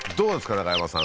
中山さん